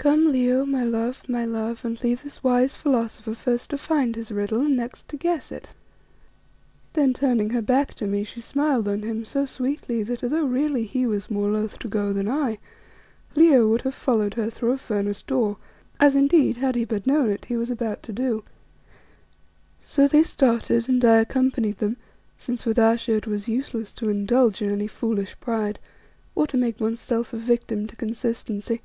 Come, Leo, my love, my love, and leave this wise philosopher first to find his riddle and next to guess it." Then turning her back to me she smiled on him so sweetly that although really he was more loth to go than I, Leo would have followed her through a furnace door, as indeed, had he but known it, he was about to do. So they started, and I accompanied them since with Ayesha it was useless to indulge in any foolish pride, or to make oneself a victim to consistency.